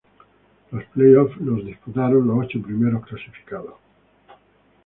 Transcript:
Los playoffs los disputaron los ocho primeros clasificados.